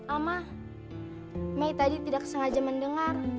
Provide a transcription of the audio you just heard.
ama mei tadi tidak sengaja mendengar